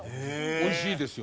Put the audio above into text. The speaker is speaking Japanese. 美味しいですよ。